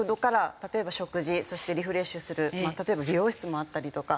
例えば食事そしてリフレッシュする例えば美容室もあったりとか。